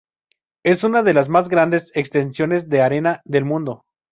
Es una de las más grandes extensiones de arena del mundo.